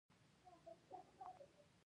د دې خزانې ساتنه زموږ مسوولیت دی.